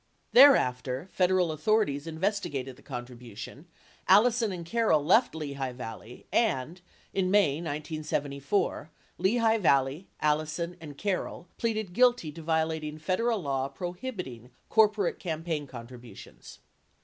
Thereafter, Federal authorities investigated the contribution, Allison and Carroll left Lehigh Valley and, in May 1974, Lehigh Valley, Allison and Carroll pleaded guilty to violating Federal law prohibiting corporate cam paign contributions.